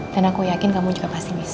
dan aku yakin kamu juga pasti bisa